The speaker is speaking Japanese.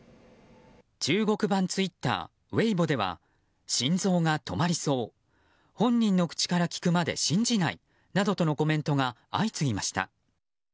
中国版ツイッターウェイボーでは心臓が止まりそう本人の口から聞くまで信じないなどとのコメントが相次ぎました。